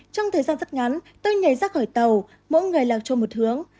trong thời gian rất ngắn tôi nhảy ra khỏi tàu mỗi người lạc cho một hướng